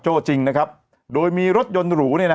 จิตโจ้จริงนะครับโดยมีรถยนต์หรูอ่ะ